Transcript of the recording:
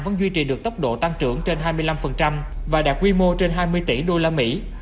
vẫn duy trì được tốc độ tăng trưởng trên hai mươi năm và đạt quy mô trên hai mươi tỷ usd